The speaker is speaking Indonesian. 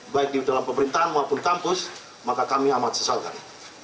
baik di dalam pemerintahan maupun di kampus maka kami amat sesalkan